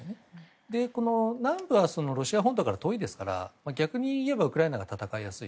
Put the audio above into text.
そして、南部はロシア本土から遠いですから逆に言えばウクライナが戦いやすい。